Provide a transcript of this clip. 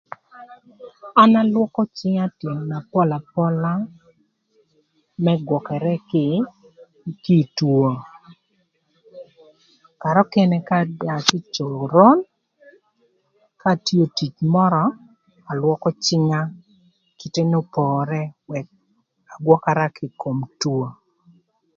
An alwökö cïnga tyën na pol apola më gwökërë kï kï ï two karë nökënë ka aya kï coron, ka atio tic mörö alwökö cïnga kite n'opore ëk agwökara kï ï kom two.